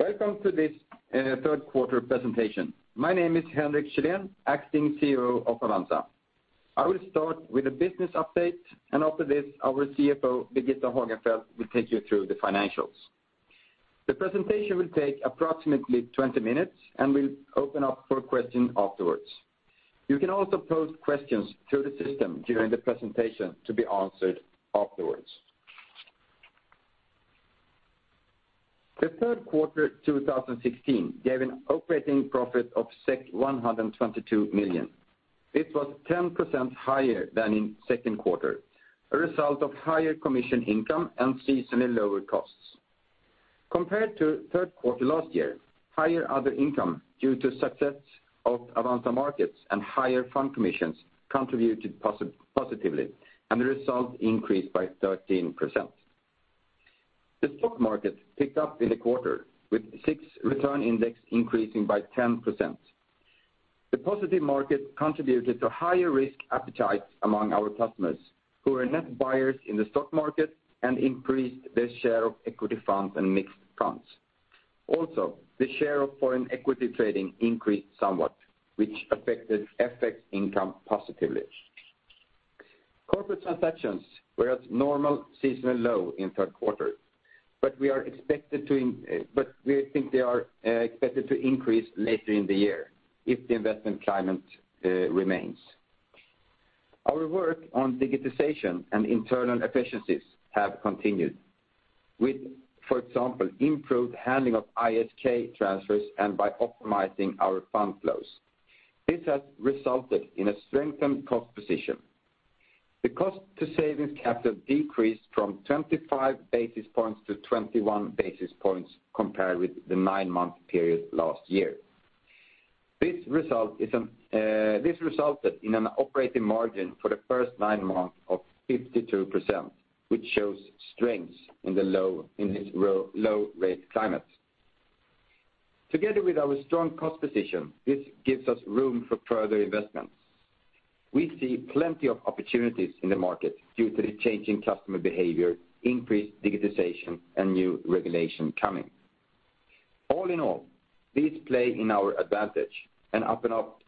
Welcome to this third quarter presentation. My name is Henrik Källén, acting CEO of Avanza. I will start with a business update, and after this, our CFO, Birgitta Hagenfeldt, will take you through the financials. The presentation will take approximately 20 minutes, and we will open up for questions afterwards. You can also post questions through the system during the presentation to be answered afterwards. The third quarter 2016 gave an operating profit of 122 million. This was 10% higher than in second quarter, a result of higher commission income and seasonally lower costs. Compared to third quarter last year, higher other income due to success of Avanza Markets and higher fund commissions contributed positively, and the result increased by 13%. The stock market picked up in the quarter with SIX Return Index increasing by 10%. The positive market contributed to higher risk appetite among our customers who were net buyers in the stock market and increased their share of equity funds and mixed funds. Also, the share of foreign equity trading increased somewhat, which affected FX income positively. Corporate transactions were at normal seasonally low in third quarter, but we think they are expected to increase later in the year if the investment climate remains. Our work on digitization and internal efficiencies have continued with, for example, improved handling of ISK transfers and by optimizing our fund flows. This has resulted in a strengthened cost position. The cost to savings capital decreased from 25 basis points to 21 basis points compared with the nine-month period last year. This resulted in an operating margin for the first nine months of 52%, which shows strength in this low rate climate. Together with our strong cost position, this gives us room for further investments. We see plenty of opportunities in the market due to the change in customer behavior, increased digitization, and new regulation coming. All in all, these play in our advantage and open up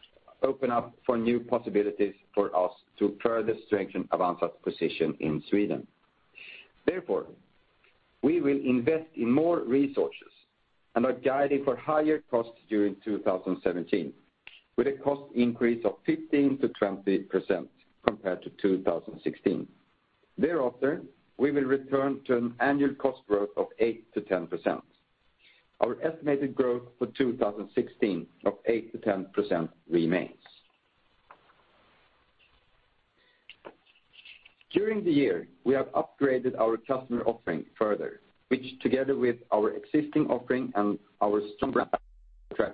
for new possibilities for us to further strengthen Avanza's position in Sweden. Therefore, we will invest in more resources and are guiding for higher costs during 2017 with a cost increase of 15%-20% compared to 2016. Thereafter, we will return to an annual cost growth of 8%-10%. Our estimated growth for 2016 of 8%-10% remains. During the year, we have upgraded our customer offering further, which together with our existing offering and our strong brand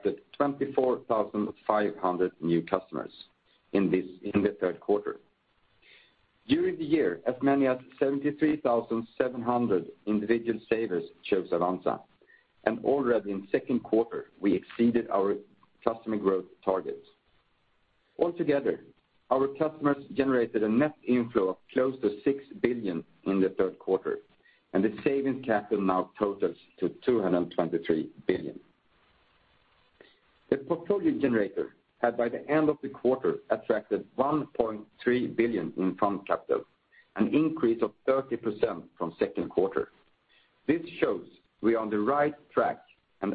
attracted 24,500 new customers in the third quarter. During the year, as many as 73,700 individual savers chose Avanza, and already in the second quarter, we exceeded our customer growth targets. Altogether, our customers generated a net inflow of close to 6 billion in the third quarter, and the savings capital now totals to 223 billion. The portfolio generator had, by the end of the quarter, attracted 1.3 billion in fund capital, an increase of 30% from the second quarter. This shows we are on the right track and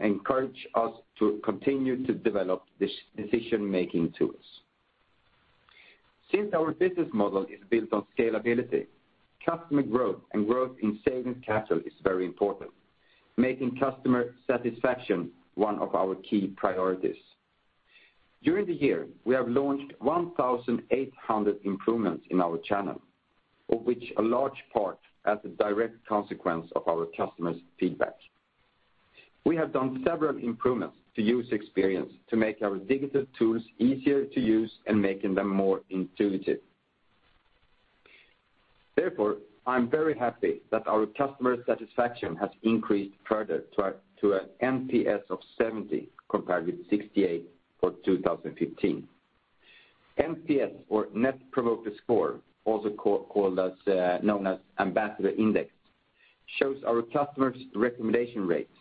encourage us to continue to develop these decision-making tools. Since our business model is built on scalability, customer growth and growth in savings capital is very important, making customer satisfaction one of our key priorities. During the year, we have launched 1,800 improvements in our channel, of which a large part as a direct consequence of our customers' feedback. We have done several improvements to user experience to make our digital tools easier to use and making them more intuitive. Therefore, I'm very happy that our customer satisfaction has increased further to an NPS of 70, compared with 68 for 2015. NPS or Net Promoter Score, also known as Ambassador Index, shows our customers' recommendation rates,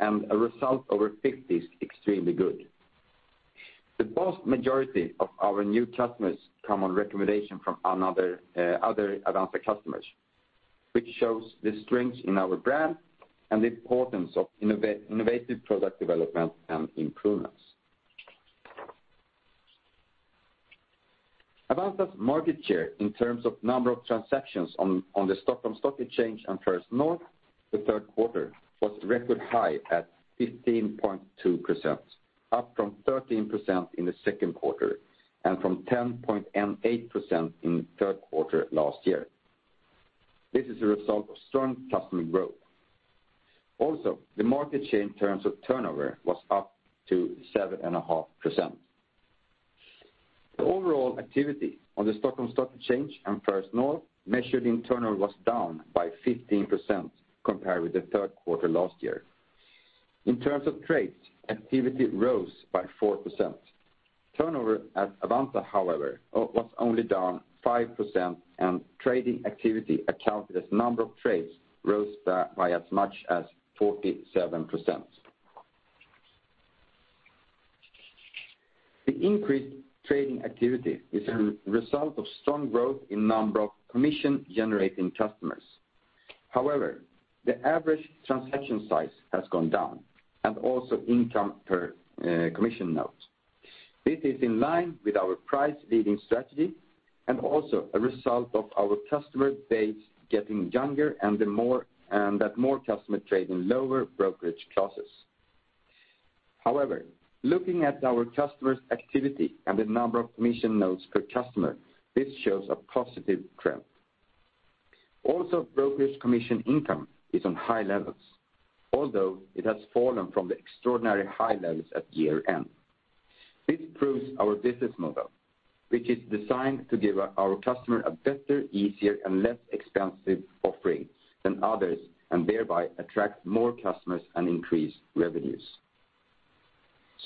and a result over 50 is extremely good. The vast majority of our new customers come on recommendation from other Avanza customers, which shows the strength in our brand and the importance of innovative product development and improvements. Avanza's market share in terms of number of transactions on the Stockholm Stock Exchange and First North the third quarter was record high at 15.2%, up from 13% in the second quarter and from 10.8% in the third quarter last year. This is a result of strong customer growth. The market share in terms of turnover was up to 7.5%. The overall activity on the Stockholm Stock Exchange and First North measured in turnover was down by 15% compared with the third quarter last year. In terms of trades, activity rose by 4%. Turnover at Avanza, however, was only down 5%, and trading activity accounted as number of trades rose by as much as 47%. The increased trading activity is a result of strong growth in number of commission-generating customers. The average transaction size has gone down, and also income per commission note. This is in line with our price leading strategy and also a result of our customer base getting younger and that more customers trade in lower brokerage classes. Looking at our customers' activity and the number of commission notes per customer, this shows a positive trend. Brokerage commission income is on high levels, although it has fallen from the extraordinary high levels at year-end. This proves our business model, which is designed to give our customer a better, easier, and less expensive offering than others and thereby attract more customers and increase revenues.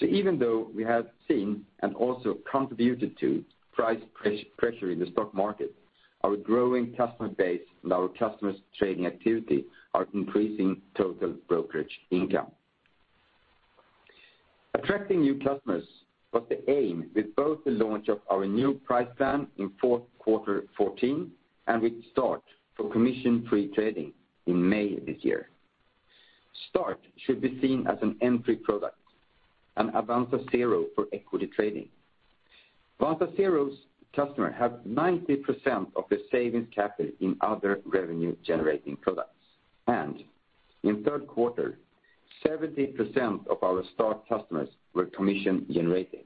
Even though we have seen and also contributed to price pressure in the stock market, our growing customer base and our customers' trading activity are increasing total brokerage income. Attracting new customers was the aim with both the launch of our new price plan in fourth quarter 2014 and with Start for commission-free trading in May this year. Start should be seen as an entry product, an Avanza Zero for equity trading. Avanza Zero's customer have 90% of the savings capital in other revenue-generating products, and in third quarter, 70% of our Start customers were commission-generating.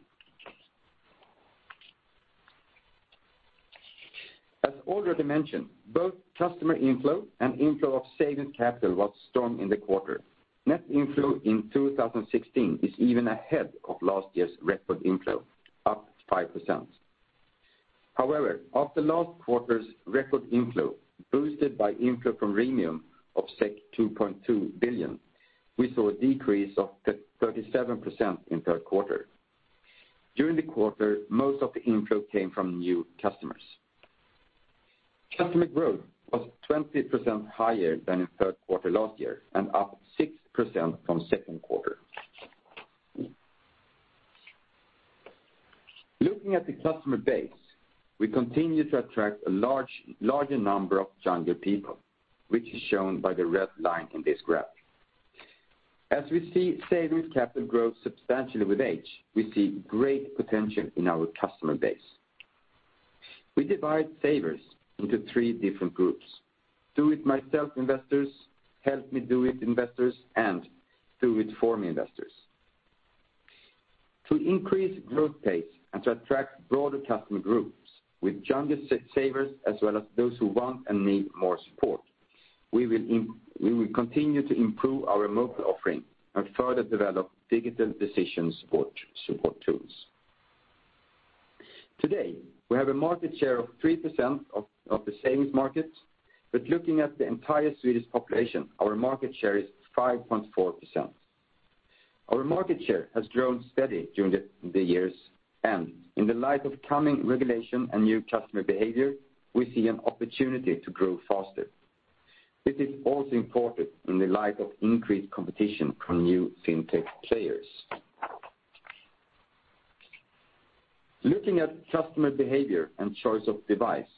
As already mentioned, both customer inflow and inflow of savings capital was strong in the quarter. Net inflow in 2016 is even ahead of last year's record inflow, up 5%. After last quarter's record inflow boosted by inflow from Remium of 2.2 billion, we saw a decrease of 37% in third quarter. During the quarter, most of the inflow came from new customers. Customer growth was 20% higher than in third quarter last year and up 6% from second quarter. Looking at the customer base, we continue to attract a larger number of younger people, which is shown by the red line in this graph. As we see savings capital grow substantially with age, we see great potential in our customer base. We divide savers into three different groups: do it myself investors, help me do it investors, and do it for me investors. To increase growth pace and to attract broader customer groups with younger savers, as well as those who want and need more support, we will continue to improve our mobile offering and further develop digital decision support tools. Today, we have a market share of 3% of the savings market, but looking at the entire Swedish population, our market share is 5.4%. Our market share has grown steady during the years, and in the light of coming regulation and new customer behavior, we see an opportunity to grow faster. This is also important in the light of increased competition from new fintech players. Looking at customer behavior and choice of device,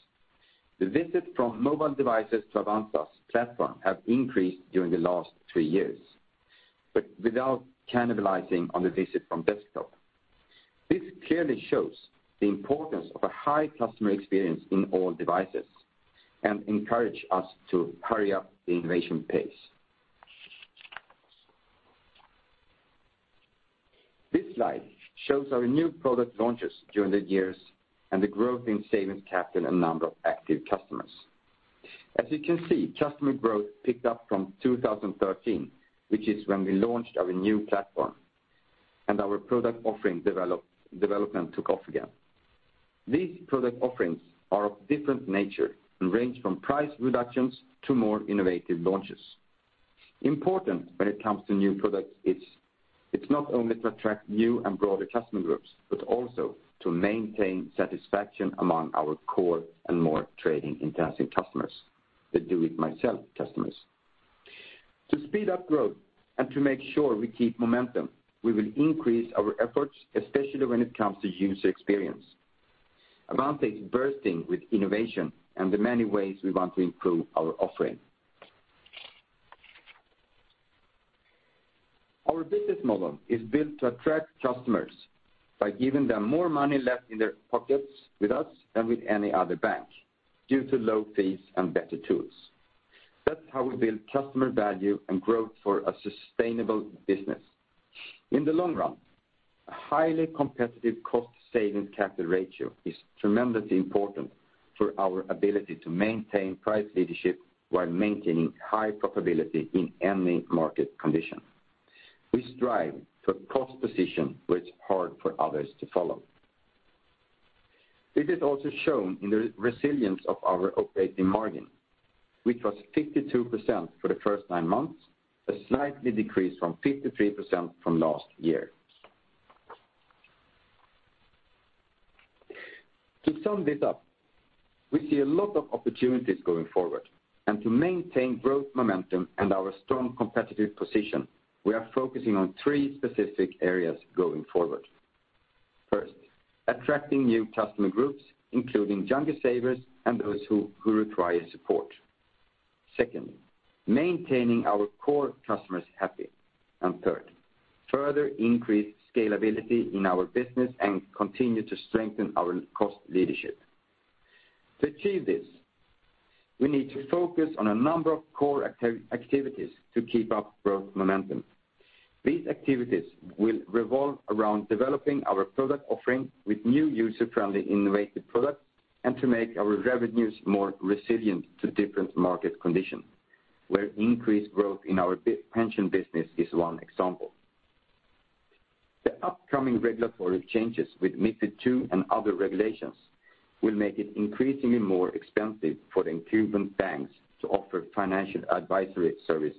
the visit from mobile devices to Avanza's platform have increased during the last three years, but without cannibalizing on the visit from desktop. This clearly shows the importance of a high customer experience in all devices and encourage us to hurry up the innovation pace. This slide shows our new product launches during the years and the growth in savings capital and number of active customers. As you can see, customer growth picked up from 2013, which is when we launched our new platform and our product offering development took off again. These product offerings are of different nature and range from price reductions to more innovative launches. Important when it comes to new products, it's not only to attract new and broader customer groups, but also to maintain satisfaction among our core and more trading-intensive customers, the do it myself customers. To speed up growth and to make sure we keep momentum, we will increase our efforts, especially when it comes to user experience. Avanza is bursting with innovation and the many ways we want to improve our offering. Our business model is built to attract customers by giving them more money left in their pockets with us than with any other bank due to low fees and better tools. That's how we build customer value and growth for a sustainable business. In the long run, a highly competitive cost savings capital ratio is tremendously important for our ability to maintain price leadership while maintaining high profitability in any market condition. We strive for cost position where it's hard for others to follow. This is also shown in the resilience of our operating margin, which was 52% for the first nine months, a slight decrease from 53% from last year. To sum this up, we see a lot of opportunities going forward, and to maintain growth momentum and our strong competitive position, we are focusing on three specific areas going forward. First, attracting new customer groups, including younger savers and those who require support. Second, maintaining our core customers happy. Third, further increase scalability in our business and continue to strengthen our cost leadership. To achieve this, we need to focus on a number of core activities to keep up growth momentum. These activities will revolve around developing our product offering with new user-friendly innovative products and to make our revenues more resilient to different market conditions, where increased growth in our pension business is one example. The upcoming regulatory changes with MiFID II and other regulations will make it increasingly more expensive for the incumbent banks to offer financial advisory service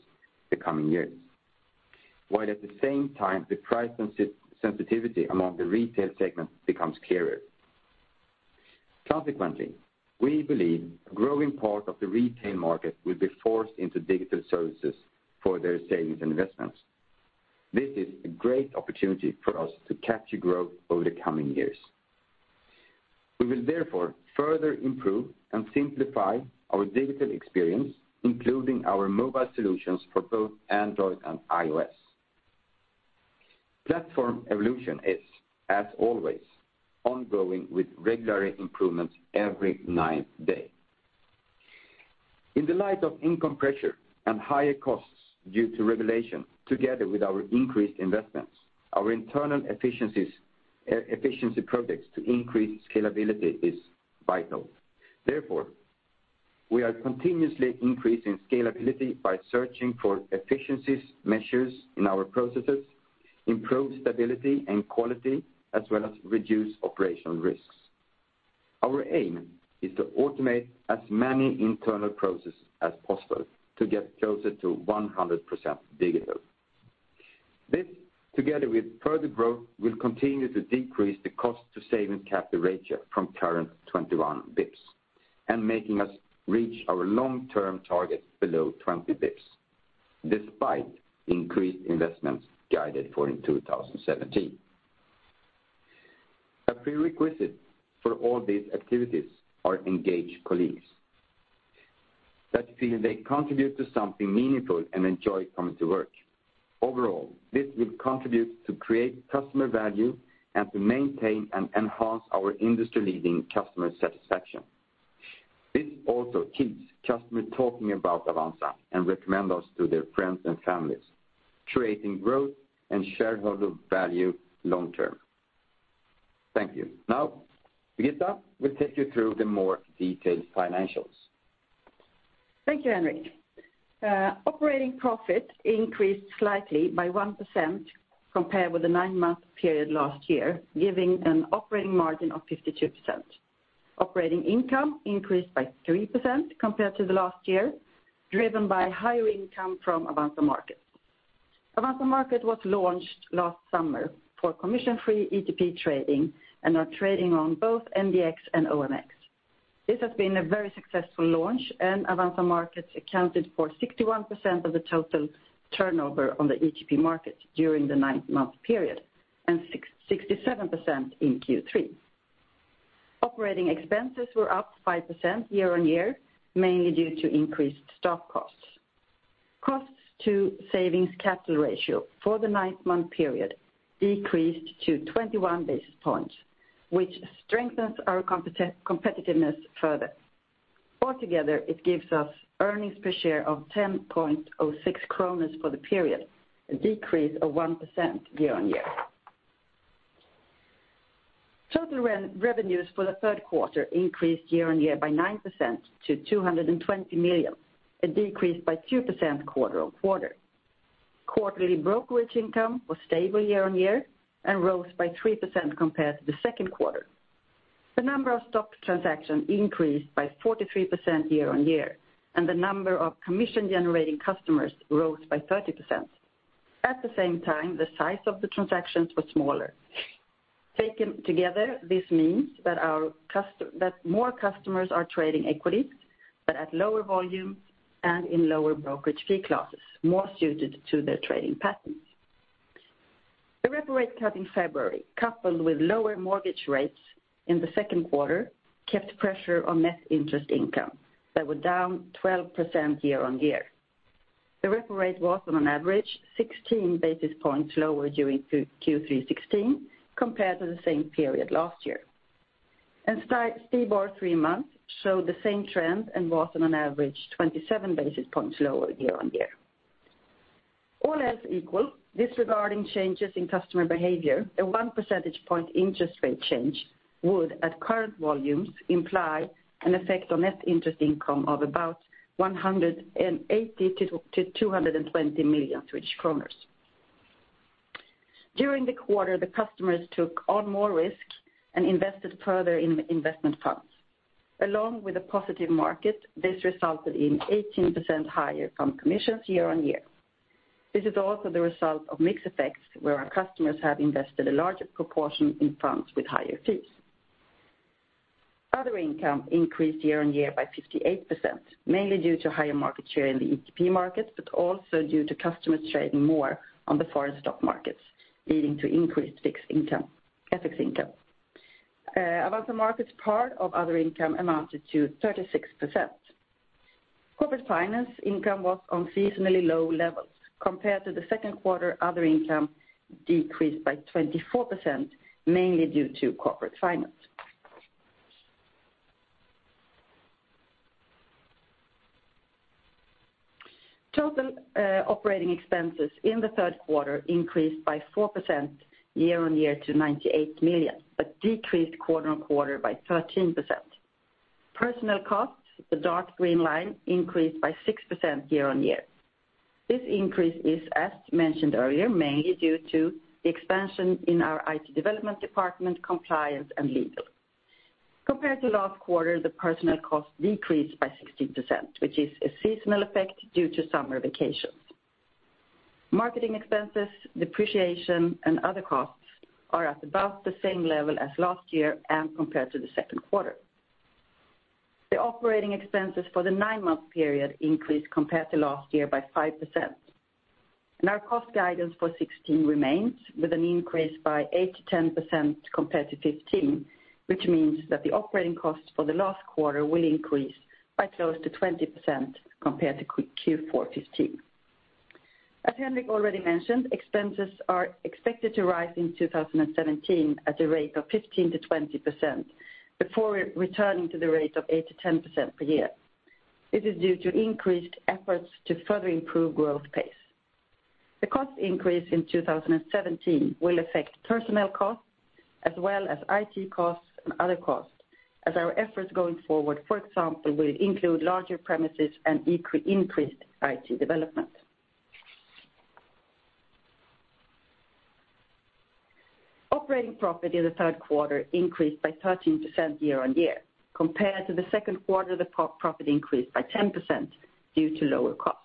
the coming years. While at the same time, the price and sensitivity among the retail segment becomes clearer. Consequently, we believe a growing part of the retail market will be forced into digital services for their savings and investments. This is a great opportunity for us to capture growth over the coming years. We will therefore further improve and simplify our digital experience, including our mobile solutions for both Android and iOS. Platform evolution is, as always, ongoing with regular improvements every nine days. In the light of income pressure and higher costs due to regulation, together with our increased investments, our internal efficiency projects to increase scalability is vital. Therefore, we are continuously increasing scalability by searching for efficiency measures in our processes, improve stability and quality, as well as reduce operational risks. Our aim is to automate as many internal processes as possible to get closer to 100% digital. This, together with further growth, will continue to decrease the cost to savings capital ratio from current 21 basis points and making us reach our long-term target below 20 basis points despite increased investments guided for in 2017. A prerequisite for all these activities are engaged colleagues that feel they contribute to something meaningful and enjoy coming to work. Overall, this will contribute to create customer value and to maintain and enhance our industry-leading customer satisfaction. This also keeps customers talking about Avanza and recommend us to their friends and families, creating growth and shareholder value long-term. Thank you. Now, Birgitta will take you through the more detailed financials. Thank you, Henrik. Operating profit increased slightly by 1% compared with the nine-month period last year, giving an operating margin of 52%. Operating income increased by 3% compared to the last year, driven by higher income from Avanza Markets. Avanza Markets was launched last summer for commission-free ETP trading and are trading on both NDX and OMX. This has been a very successful launch, and Avanza Markets accounted for 61% of the total turnover on the ETP market during the nine-month period and 67% in Q3. Operating expenses were up 5% year-on-year, mainly due to increased staff costs. Costs to savings capital ratio for the nine-month period decreased to 21 basis points, which strengthens our competitiveness further. Altogether, it gives us earnings per share of 10.06 kronor for the period, a decrease of 1% year-on-year. Total revenues for the third quarter increased year-on-year by 9% to 220 million, a decrease by 2% quarter-on-quarter. Quarterly brokerage income was stable year-on-year and rose by 3% compared to the second quarter. The number of stock transactions increased by 43% year-on-year, and the number of commission-generating customers rose by 30%. At the same time, the size of the transactions was smaller. Taken together, this means that more customers are trading equities, but at lower volume and in lower brokerage fee classes, more suited to their trading patterns. The repo rate cut in February, coupled with lower mortgage rates in the second quarter, kept pressure on net interest income that were down 12% year-on-year. The repo rate was on an average 16 basis points lower during Q3 2016 compared to the same period last year. STIBOR 3M showed the same trend and was on an average 27 basis points lower year-on-year. All else equal, disregarding changes in customer behavior, a one percentage point interest rate change would, at current volumes, imply an effect on net interest income of about 180 million-220 million Swedish kronor. During the quarter, the customers took on more risk and invested further in investment funds. Along with a positive market, this resulted in 18% higher fund commissions year-on-year. This is also the result of mix effects, where our customers have invested a larger proportion in funds with higher fees. Other income increased year-on-year by 58%, mainly due to higher market share in the ETP markets, but also due to customers trading more on the foreign stock markets, leading to increased fee income. Avanza Markets' part of other income amounted to 36%. Corporate finance income was on seasonally low levels. Compared to the second quarter, other income decreased by 24%, mainly due to corporate finance. Total operating expenses in the third quarter increased by 4% year-on-year to 98 million, but decreased quarter-on-quarter by 13%. Personnel costs, the dark green line, increased by 6% year-on-year. This increase is, as mentioned earlier, mainly due to the expansion in our IT development department, compliance, and legal. Compared to last quarter, the personnel costs decreased by 16%, which is a seasonal effect due to summer vacations. Marketing expenses, depreciation, and other costs are at about the same level as last year and compared to the second quarter. The operating expenses for the nine-month period increased compared to last year by 5%. Our cost guidance for 2016 remains, with an increase by 8%-10% compared to 2015, which means that the operating costs for the last quarter will increase by close to 20% compared to Q4 2015. As Henrik already mentioned, expenses are expected to rise in 2017 at a rate of 15%-20% before returning to the rate of 8%-10% per year. This is due to increased efforts to further improve growth pace. The cost increase in 2017 will affect personnel costs as well as IT costs and other costs, as our efforts going forward, for example, will include larger premises and increased IT development. Operating profit in the third quarter increased by 13% year-on-year. Compared to the second quarter, the profit increased by 10% due to lower costs.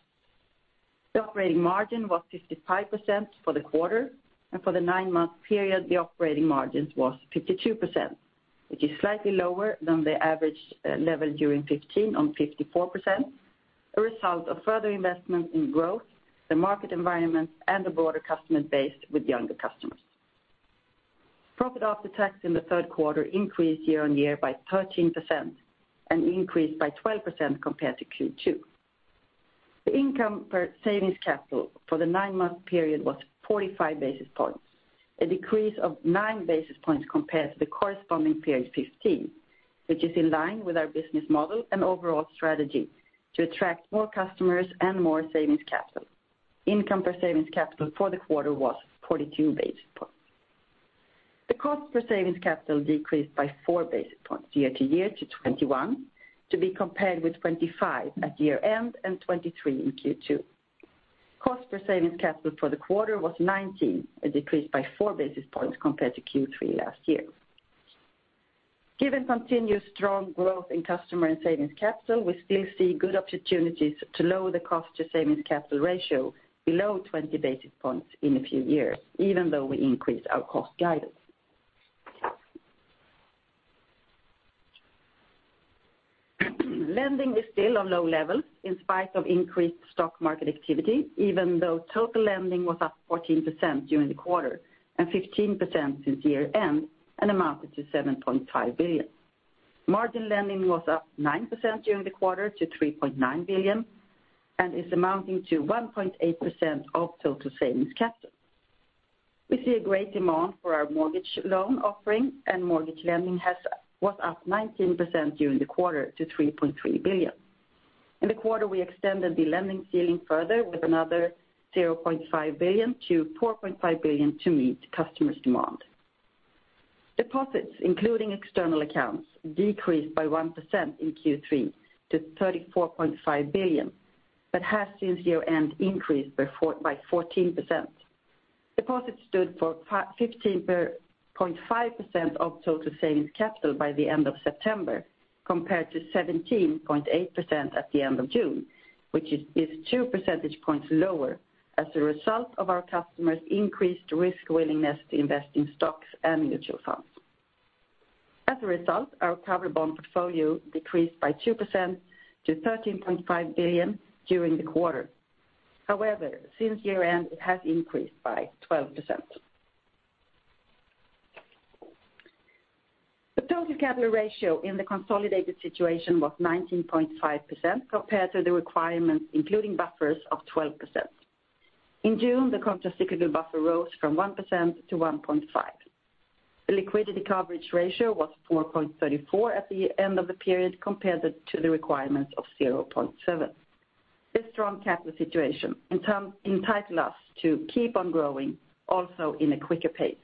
The operating margin was 55% for the quarter, and for the nine-month period, the operating margins was 52%, which is slightly lower than the average level during 2015 on 54%, a result of further investment in growth, the market environment, and a broader customer base with younger customers. Profit after tax in the third quarter increased year-on-year by 13% and increased by 12% compared to Q2. The income per savings capital for the nine-month period was 45 basis points, a decrease of 9 basis points compared to the corresponding period 2015, which is in line with our business model and overall strategy to attract more customers and more savings capital. Income per savings capital for the quarter was 42 basis points. The cost per savings capital decreased by 4 basis points year-to-year to 21, to be compared with 25 at year-end and 23 in Q2. Cost per savings capital for the quarter was 19 basis points, a decrease by four basis points compared to Q3 last year. Given continued strong growth in customer and savings capital, we still see good opportunities to lower the cost to savings capital ratio below 20 basis points in a few years, even though we increase our cost guidance. Lending is still on low levels in spite of increased stock market activity, even though total lending was up 14% during the quarter and 15% since year-end and amounted to 7.5 billion. Margin lending was up 9% during the quarter to 3.9 billion and is amounting to 1.8% of total savings capital. We see a great demand for our mortgage loan offering and mortgage lending was up 19% during the quarter to 3.3 billion. In the quarter, we extended the lending ceiling further with another 0.5 billion to 4.5 billion to meet customers' demand. Deposits, including external accounts, decreased by 1% in Q3 to 34.5 billion, but has since year-end increased by 14%. Deposits stood for 15.5% of total savings capital by the end of September, compared to 17.8% at the end of June, which is two percentage points lower as a result of our customers' increased risk willingness to invest in stocks and mutual funds. As a result, our covered bond portfolio decreased by 2% to 13.5 billion during the quarter. However, since year-end, it has increased by 12%. The total capital ratio in the consolidated situation was 19.5% compared to the requirements, including buffers, of 12%. In June, the countercyclical capital buffer rose from 1% to 1.5%. The liquidity coverage ratio was 4.34 at the end of the period compared to the requirements of 0.7. This strong capital situation entitle us to keep on growing, also in a quicker pace.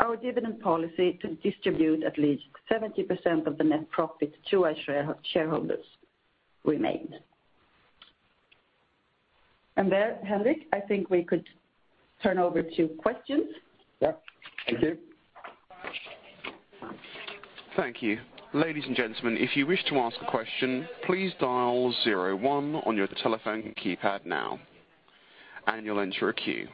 Our dividend policy to distribute at least 70% of the net profit to our shareholders remains. There, Henrik, I think we could turn over to questions. Yeah. Thank you. Thank you. Ladies and gentlemen, if you wish to ask a question, please dial 01 on your telephone keypad now, and you'll enter a queue.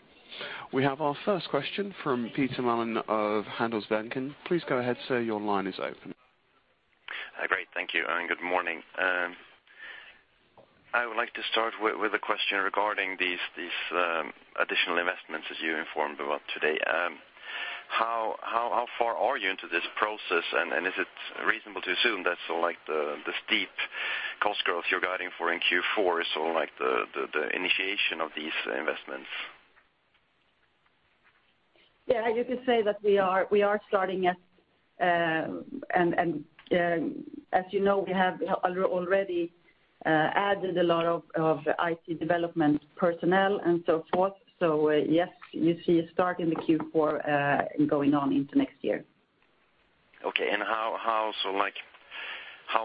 We have our first question from Peter Malan of Handelsbanken. Please go ahead, sir. Your line is open. Great. Thank you. Good morning. I would like to start with a question regarding these additional investments as you informed about today. How far are you into this process? Is it reasonable to assume that the steep cost growth you're guiding for in Q4 is the initiation of these investments? Yeah, you could say that we are starting at. As you know, we have already added a lot of IT development personnel and so forth. Yes, you see a start in the Q4, going on into next year. Okay. How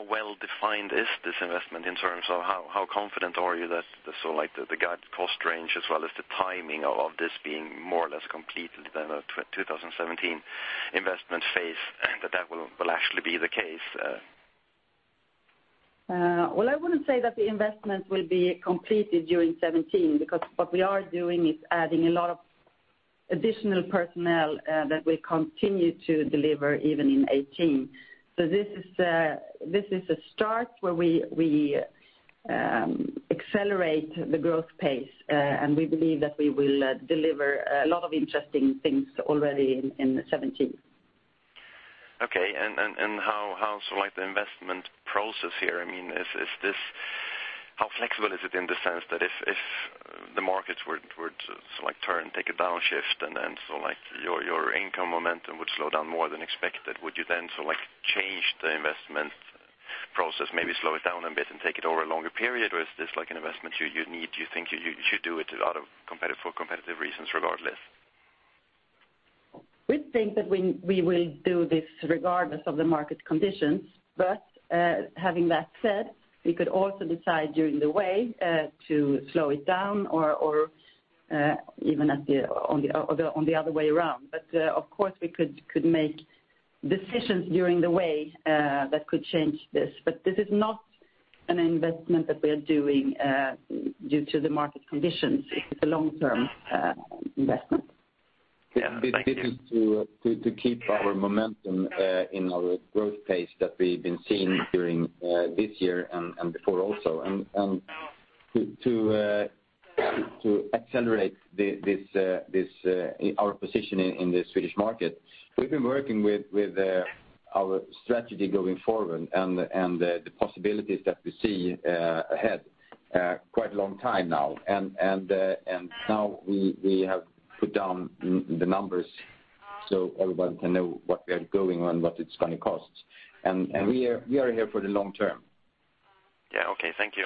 well-defined is this investment in terms of how confident are you that the guided cost range as well as the timing of this being more or less completed than a 2017 investment phase, and that will actually be the case? I wouldn't say that the investment will be completed during 2017, because what we are doing is adding a lot of additional personnel that we continue to deliver even in 2018. This is a start where we accelerate the growth pace, and we believe that we will deliver a lot of interesting things already in 2017. Okay. How the investment process here, how flexible is it in the sense that if the markets were to turn, take a downshift, and your income momentum would slow down more than expected, would you then change the investment process, maybe slow it down a bit and take it over a longer period? Is this like an investment you need, do you think you should do it for competitive reasons regardless? We think that we will do this regardless of the market conditions, but, having that said, we could also decide during the way to slow it down or even on the other way around. Of course we could make decisions during the way that could change this, but this is not an investment that we are doing due to the market conditions. It's a long-term investment. Yeah. Thank you. This is to keep our momentum in our growth pace that we've been seeing during this year and before also, and to accelerate our position in the Swedish market. We've been working with our strategy going forward and the possibilities that we see ahead quite a long time now. Now we have put down the numbers so everybody can know what we are going on, what it's going to cost. We are here for the long term. Yeah. Okay, thank you.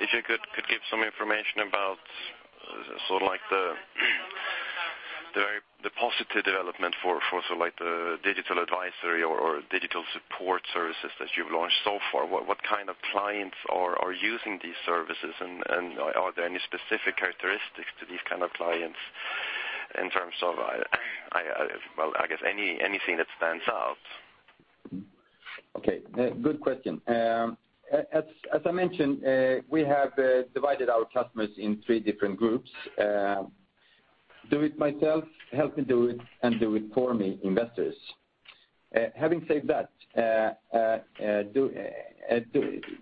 If you could give some information about the positive development for the digital advisory or digital support services that you've launched so far. What kind of clients are using these services, and are there any specific characteristics to these kind of clients in terms of, well, I guess anything that stands out? Okay. Good question. As I mentioned, we have divided our customers in three different groups. Do it myself, help me do it, and do it for me investors. Having said that,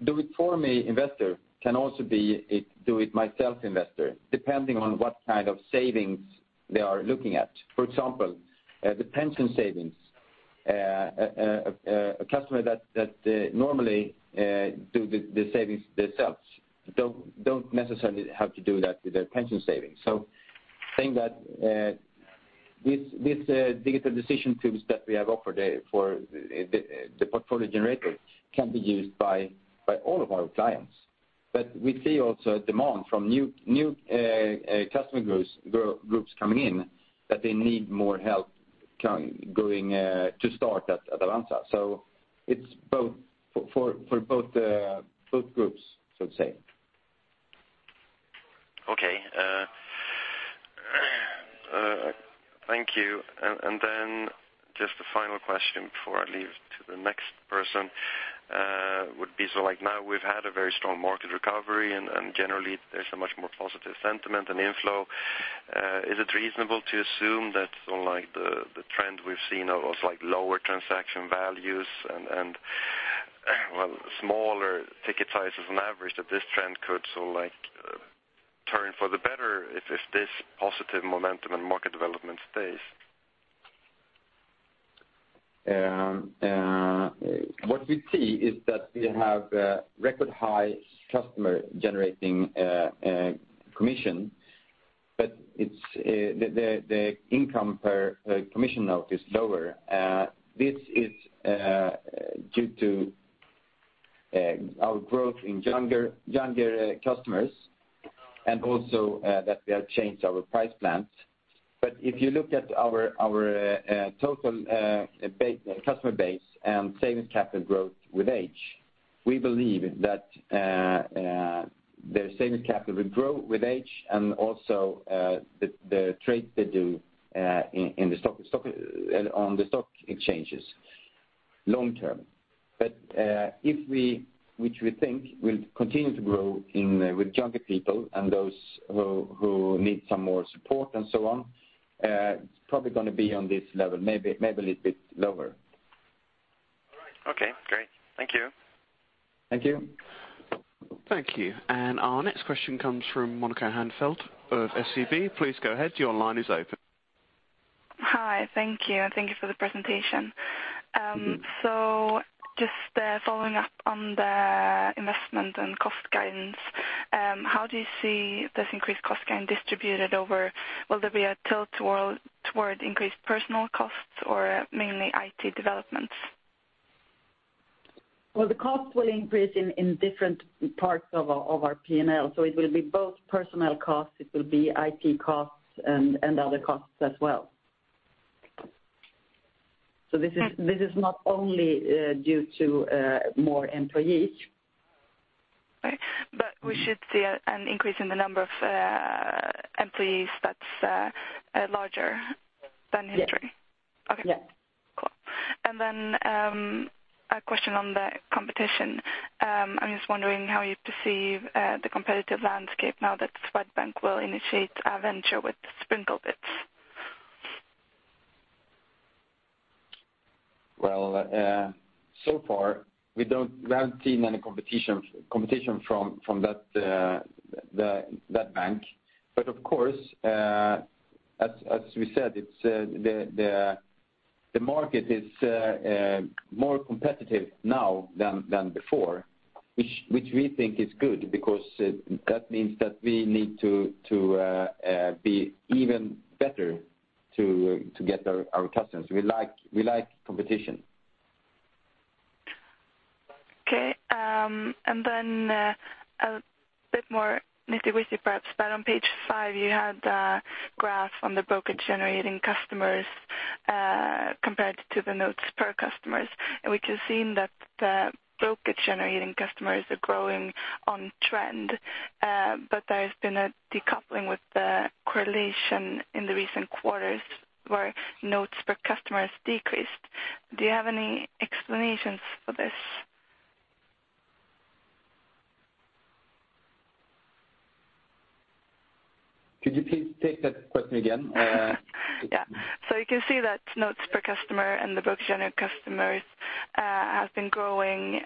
do it for me investor can also be a do it myself investor, depending on what kind of savings they are looking at. For example, the pension savings, a customer that normally do the savings themselves don't necessarily have to do that with their pension savings. Saying that these digital decision tools that we have offered for the portfolio generator can be used by all of our clients. We see also a demand from new customer groups coming in that they need more help to start at Avanza. It's for both groups, so to say. Okay. Thank you. Just a final question before I leave to the next person would be, now we've had a very strong market recovery, and generally there's a much more positive sentiment and inflow. Is it reasonable to assume that the trend we've seen of lower transaction values and smaller ticket sizes on average, that this trend could turn for the better if this positive momentum and market development stays? What we see is that we have record high customer generating commission. The income per commission note is lower. This is due to our growth in younger customers. Also that we have changed our price plans. If you look at our total customer base and savings capital growth with age, we believe that their savings capital will grow with age and also the trade they do on the Stockholm Stock Exchange long term. Which we think will continue to grow with younger people and those who need some more support and so on, it is probably going to be on this level, maybe a little bit lower. All right. Okay, great. Thank you. Thank you. Thank you. Our next question comes from Monica Handfeld of SEB. Please go ahead. Your line is open. Hi. Thank you. Thank you for the presentation. Just following up on the investment and cost guidance, how do you see this increased cost increase distributed over, will there be a tilt toward increased personnel costs or mainly IT development? Well, the cost will increase in different parts of our P&L. It will be both personnel costs, it will be IT costs and other costs as well. This is not only due to more employees. Right. We should see an increase in the number of employees that's larger than history. Yes. Okay. Cool. Then a question on the competition. I'm just wondering how you perceive the competitive landscape now that Swedbank will initiate a venture with SprinkleBit. So far we haven't seen any competition from that bank. Of course, as we said, the market is more competitive now than before, which we think is good because that means that we need to be even better to get our customers. We like competition. Then a bit more nitty-gritty perhaps, on page five, you had a graph on the brokerage-generating customers compared to the notes per customers. We can see that the brokerage-generating customers are growing on trend. There's been a decoupling with the correlation in the recent quarters where notes per customers decreased. Do you have any explanations for this? Could you please take that question again? You can see that notes per customer and the brokerage-generated customers have been growing,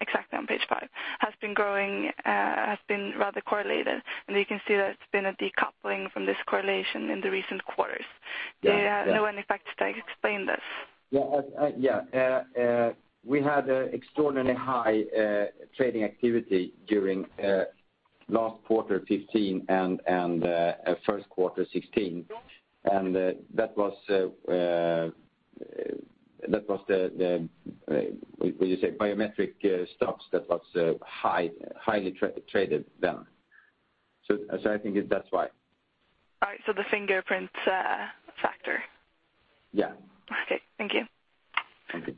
exactly on page five, has been rather correlated, and you can see that it's been a decoupling from this correlation in the recent quarters. Yeah. Do you know any factors that explain this? Yeah. We had extraordinary high trading activity during last quarter 2015 and first quarter 2016, and that was the, what you say, biotech stocks that was highly traded then. I think that's why. All right, the fingerprint factor. Yeah. Okay. Thank you. Thank you.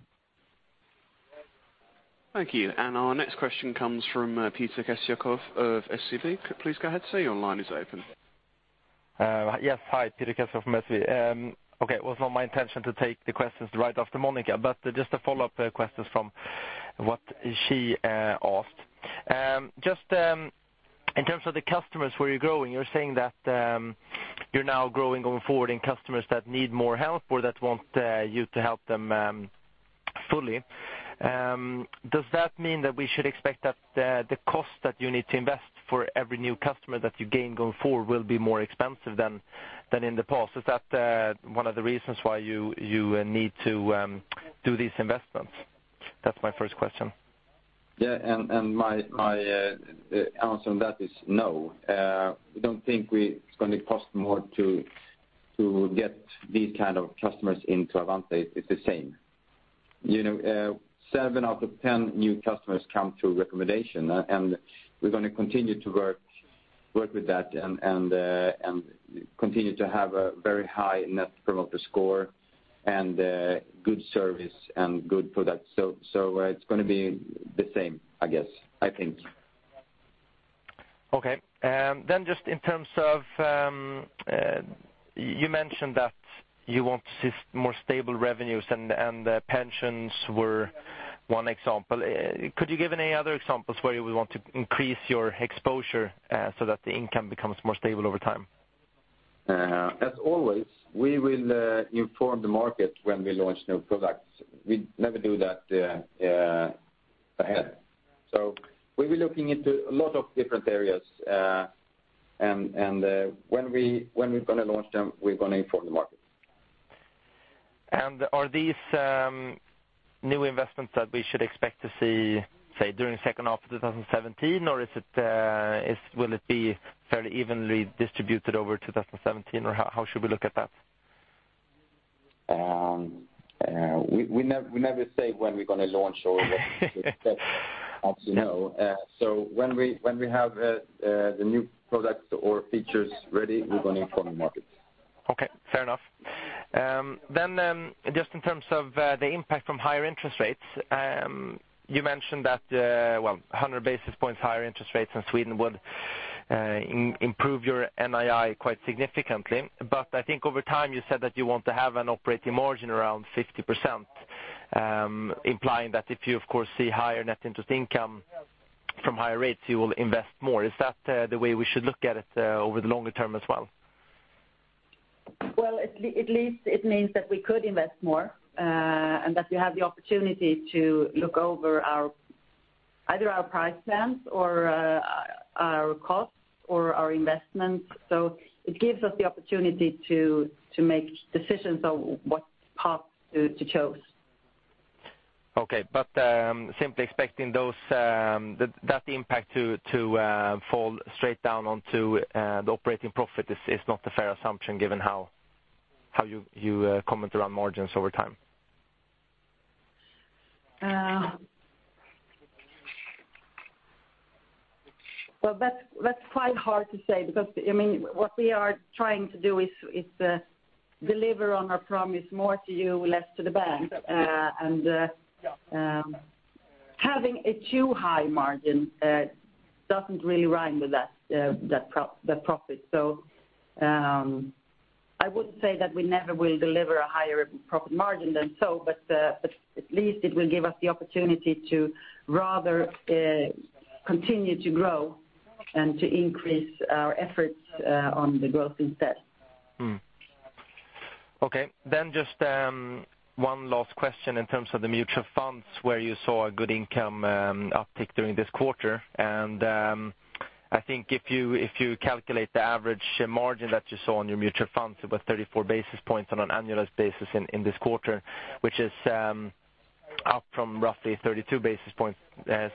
Our next question comes from Peter Kessiakoff of SEB. Please go ahead, sir, your line is open. Yes. Hi, Peter Kessiakoff from SEB. It was not my intention to take the questions right after Monica, just a follow-up questions from what she asked. Just in terms of the customers where you're growing, you're saying that you're now growing going forward in customers that need more help or that want you to help them fully. Does that mean that we should expect that the cost that you need to invest for every new customer that you gain going forward will be more expensive than in the past? Is that one of the reasons why you need to do these investments? That's my first question. My answer on that is no. We don't think it's going to cost more to get these kind of customers into Avanza. It's the same. Seven out of 10 new customers come through recommendation, we're going to continue to work with that continue to have a very high Net Promoter Score and good service and good product. It's going to be the same, I guess, I think. Just in terms of, you mentioned that you want to see more stable revenues, and the pensions were one example. Could you give any other examples where you would want to increase your exposure so that the income becomes more stable over time? As always, we will inform the market when we launch new products. We never do that ahead. We'll be looking into a lot of different areas, and when we're going to launch them, we're going to inform the market. Are these new investments that we should expect to see, say, during second half of 2017, or will it be fairly evenly distributed over 2017, or how should we look at that? We never say when we're going to launch or what to expect. As you know. When we have the new products or features ready, we're going to inform the market. Okay, fair enough. Just in terms of the impact from higher interest rates, you mentioned that, well, 100 basis points higher interest rates in Sweden would improve your NII quite significantly. I think over time you said that you want to have an operating margin around 50%, implying that if you of course see higher net interest income from higher rates, you will invest more. Is that the way we should look at it over the longer term as well? Well, at least it means that we could invest more, and that we have the opportunity to look over either our price plans or our costs or our investments. It gives us the opportunity to make decisions on what path to choose. Okay. Simply expecting that impact to fall straight down onto the operating profit is not a fair assumption given how you comment around margins over time. Well, that's quite hard to say because what we are trying to do is deliver on our promise, more to you, less to the bank. Having a too high margin doesn't really rhyme with that promise. I would say that we never will deliver a higher profit margin than so, but at least it will give us the opportunity to rather continue to grow and to increase our efforts on the growth instead. Just one last question in terms of the mutual funds where you saw a good income uptick during this quarter. I think if you calculate the average margin that you saw on your mutual funds, about 34 basis points on an annualized basis in this quarter, which is up from roughly 32 basis points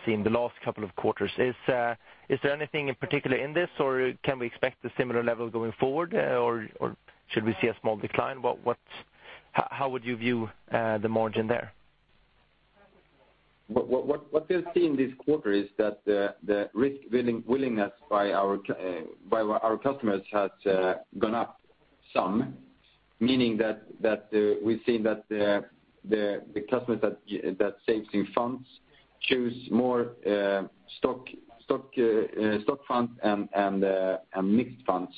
seen the last couple of quarters. Is there anything in particular in this or can we expect a similar level going forward or should we see a small decline? How would you view the margin there? What we've seen this quarter is that the risk willingness by our customers has gone up some, meaning that we've seen that the customers that saves in funds choose more stock funds and mixed funds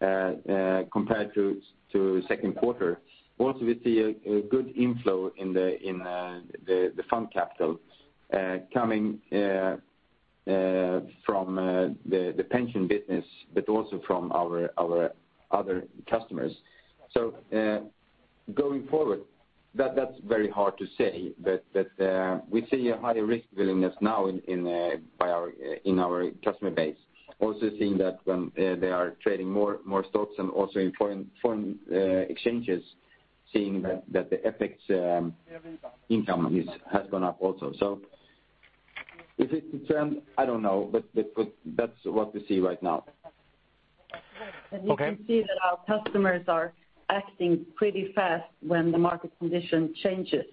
compared to second quarter. We see a good inflow in the fund capital coming from the pension business, but also from our other customers. Going forward, that's very hard to say, but we see a higher risk willingness now in our customer base. Seeing that when they are trading more stocks and also in foreign exchanges, seeing that the FX income has gone up also. Is it to term? I don't know, but that's what we see right now. Okay. You can see that our customers are acting pretty fast when the market condition changes.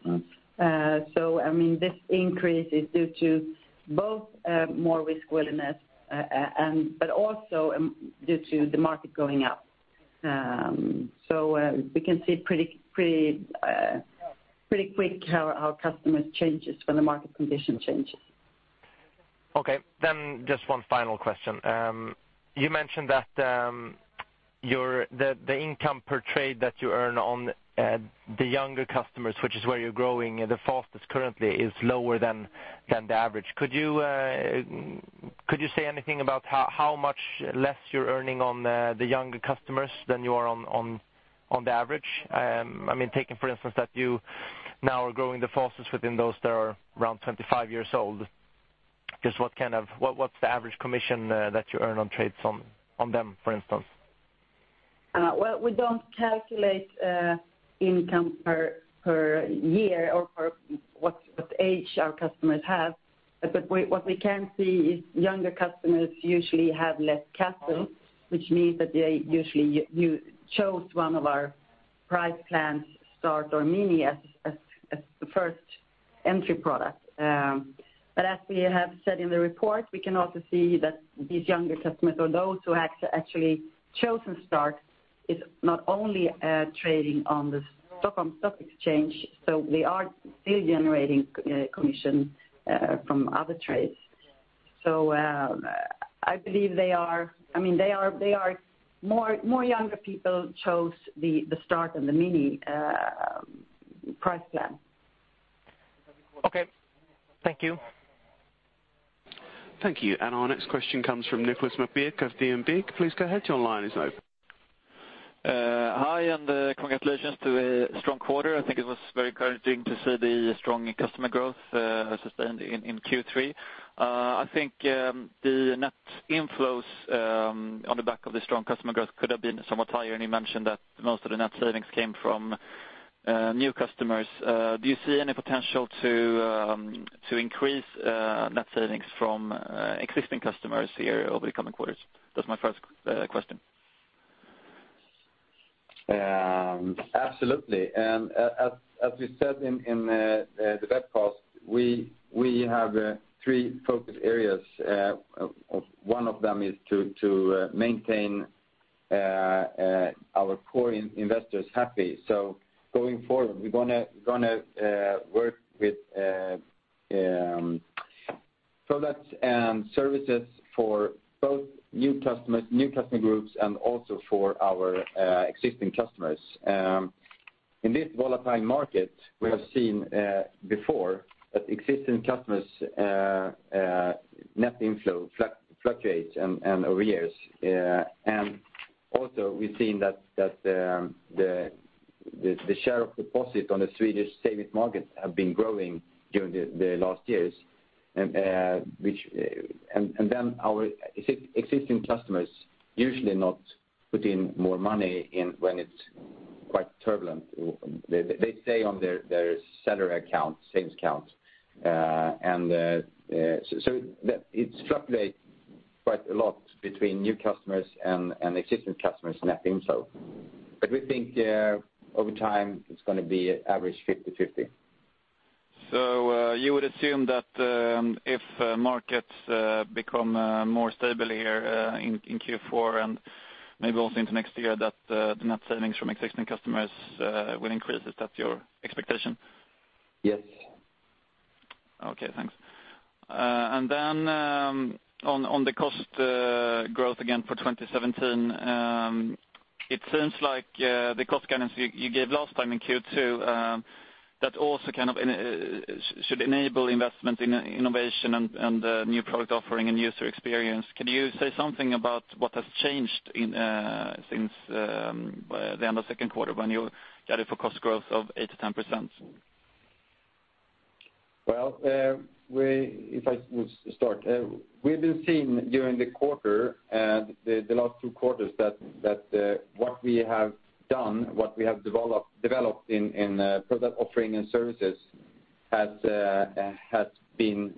This increase is due to both more risk willingness but also due to the market going up. We can see pretty quick how customers changes when the market condition changes. Just one final question. You mentioned that the income per trade that you earn on the younger customers, which is where you're growing the fastest currently, is lower than the average. Could you say anything about how much less you're earning on the younger customers than you are on the average? Taking for instance that you now are growing the fastest within those that are around 25 years old. Just what's the average commission that you earn on trades on them, for instance? Well, we don't calculate income per year or for what age our customers have. What we can see is younger customers usually have less capital, which means that they usually chose one of our price plans, Start or Mini as the first entry product. As we have said in the report, we can also see that these younger customers or those who have actually chosen Start is not only trading on the Stockholm Stock Exchange. We are still generating commission from other trades. I believe more younger people chose the Start and the Mini price plan. Okay. Thank you. Thank you. Our next question comes from Niklas MacBeth of DNB. Please go ahead, your line is open. Hi, congratulations to a strong quarter. I think it was very encouraging to see the strong customer growth sustained in Q3. I think the net inflows on the back of the strong customer growth could have been somewhat higher, and you mentioned that most of the net savings came from new customers. Do you see any potential to increase net savings from existing customers here over the coming quarters? That's my first question. Absolutely. As we said in the webcast, we have three focus areas. One of them is to maintain our core investors happy. Going forward, we're going to work with products and services for both new customer groups, and also for our existing customers. In this volatile market, we have seen before that existing customers net inflow fluctuates over years. Also we've seen that the share of deposit on the Swedish savings market have been growing during the last years. Our existing customers usually not put in more money when it's quite turbulent. They stay on their salary account, savings account. It fluctuates quite a lot between new customers and existing customers net inflow. We think over time it's going to be average 50/50. You would assume that if markets become more stable here in Q4 and maybe also into next year, that the net savings from existing customers will increase. Is that your expectation? Yes. Okay, thanks. On the cost growth again for 2017, it seems like the cost guidance you gave last time in Q2 that also should enable investment in innovation and new product offering and user experience. Can you say something about what has changed since the end of second quarter when you guided for cost growth of 8%-10%? Well, if I would start. We've been seeing during the quarter, the last two quarters, that what we have done, what we have developed in product offering and services has been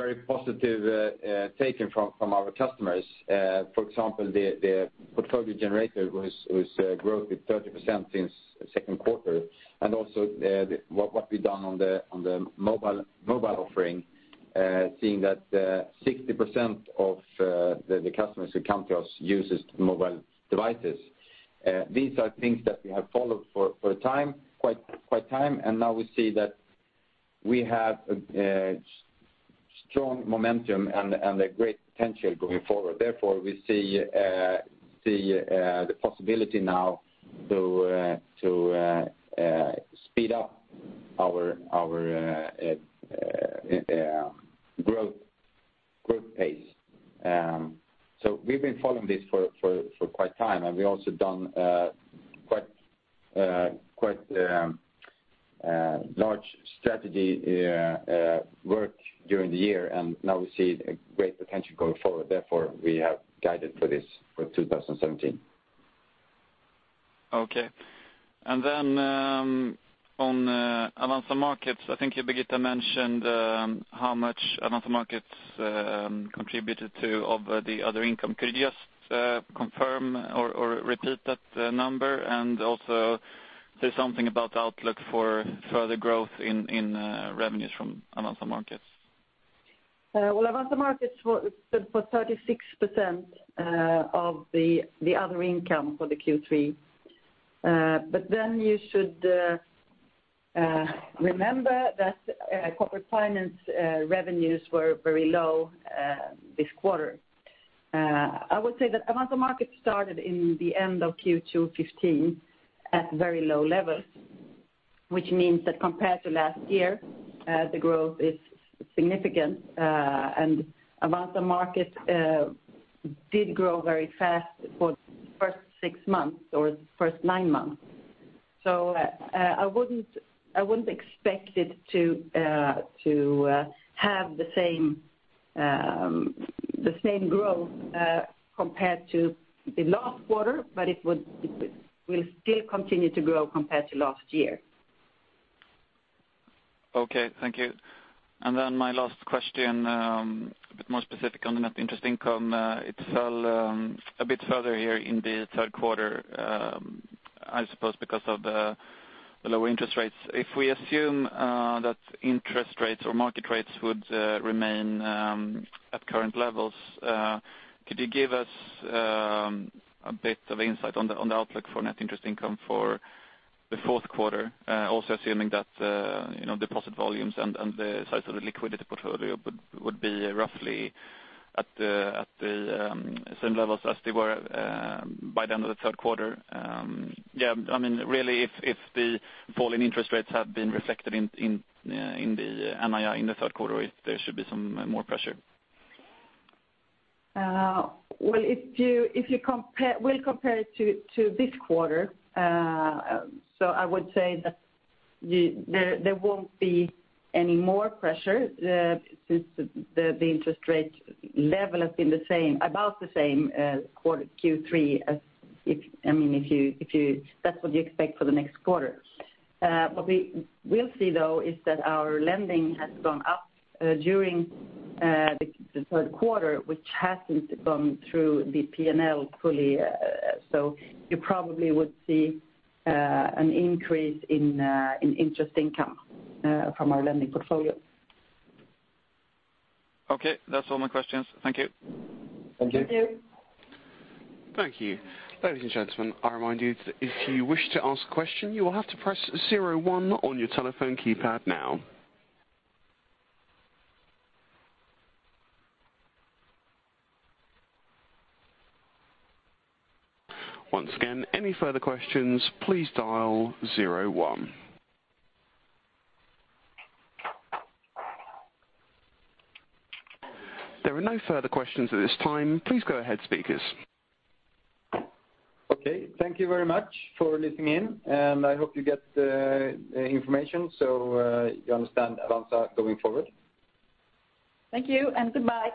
very positive taken from our customers. For example, the portfolio generator was growth with 30% since second quarter, also what we've done on the mobile offering, seeing that 60% of the customers who come to us uses mobile devices. These are things that we have followed for quite time, now we see that we have a strong momentum and a great potential going forward. Therefore, we see the possibility now to speed up our growth pace. We've been following this for quite time, we've also done quite large strategy work during the year, now we see a great potential going forward. Therefore, we have guided for this for 2017. Okay. On Avanza Markets, I think Birgitta mentioned how much Avanza Markets contributed to of the other income. Could you just confirm or repeat that number and also say something about the outlook for further growth in revenues from Avanza Markets? Well, Avanza Markets was 36% of the other income for the Q3. You should remember that corporate finance revenues were very low this quarter. I would say that Avanza Markets started in the end of Q2 2015 at very low levels, which means that compared to last year, the growth is significant. Avanza Markets did grow very fast for the first six months or the first nine months. I wouldn't expect it to have the same growth compared to the last quarter, but it will still continue to grow compared to last year. Okay, thank you. My last question, a bit more specific on the net interest income. It fell a bit further here in the third quarter, I suppose because of the lower interest rates. If we assume that interest rates or market rates would remain at current levels, could you give us a bit of insight on the outlook for net interest income for the fourth quarter? Also assuming that deposit volumes and the size of the liquidity portfolio would be roughly at the same levels as they were by the end of the third quarter. Really, if the fall in interest rates have been reflected in the NII in the third quarter, if there should be some more pressure. Well, if you will compare it to this quarter, I would say that there won't be any more pressure since the interest rate level has been about the same Q3 as if that's what you expect for the next quarter. What we will see though is that our lending has gone up during the third quarter, which hasn't gone through the P&L fully. You probably would see an increase in interest income from our lending portfolio. Okay, that's all my questions. Thank you. Thank you. Thank you. Thank you. Ladies and gentlemen, I remind you that if you wish to ask a question, you will have to press 01 on your telephone keypad now. Once again, any further questions, please dial 01. There are no further questions at this time. Please go ahead, speakers. Okay, thank you very much for listening in. I hope you get the information so you understand Avanza going forward. Thank you. Goodbye.